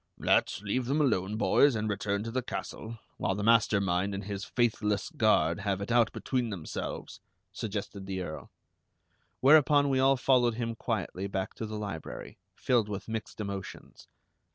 "Let's leave them alone, boys, and return to the castle, while the master mind and his faithless guard have it out between themselves," suggested the Earl. Whereupon we all followed him quietly back to the library, filled with mixed emotions.